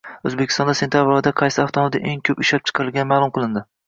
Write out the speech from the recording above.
O‘zbekistonda sentabr oyida qaysi avtomobil eng ko‘p ishlab chiqarilgani ma’lum qilindi